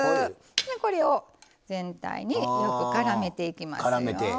これを全体によくからめていきますよ。